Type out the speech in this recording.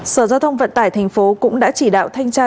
sở giao thông vận tải tp hcm cũng đã chỉ đạo thanh tra